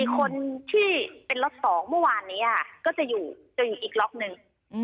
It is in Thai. คนที่เป็นล็อต๒เมื่อวานนี้ก็จะอยู่อีกล็อกหนึ่ง